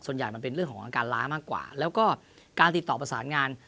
มันเป็นเรื่องของอาการล้ามากกว่าแล้วก็การติดต่อประสานงาน